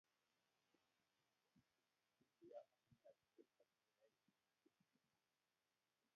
Maiguyo amune asikiyae kounoto kwonyik